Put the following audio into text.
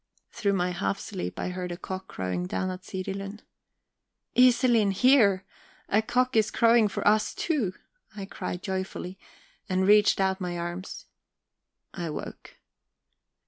Through my helf sleep I heard a cock crowing down at Sirilund. "Iselin, hear! A cock is crowing for us too!" I cried joyfully, and reached out my arms. I woke.